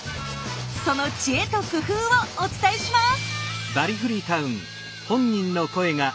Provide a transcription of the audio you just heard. その知恵と工夫をお伝えします。